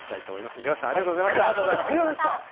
五十嵐さん、ありがとうございました。